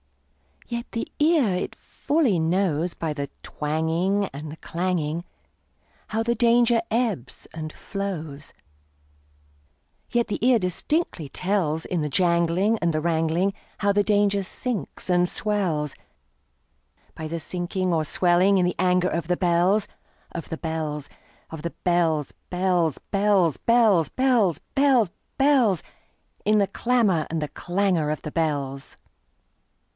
Yet the ear it fully knows, By the twangingAnd the clanging, How the danger ebbs and flows; Yet the ear distinctly tells, In the janglingAnd the wrangling, How the danger sinks and swells,—By the sinking or the swelling in the anger of the bells, Of the bells, Of the bells, bells, bells, bells, Bells, bells, bells—In the clamor and the clangor of the bells!